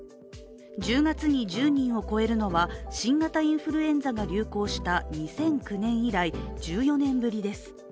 １０月に１０人を超えるのは新型インフルエンザが流行した２００９年以来、１４年ぶりです。